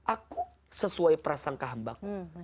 aku sesuai prasangka hambang